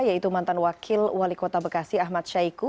yaitu mantan wakil wali kota bekasi ahmad syaiqo